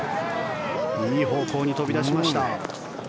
いい方向に飛び出しました。